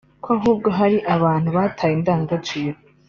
ko ahubwo ari abantu bataye indangaciro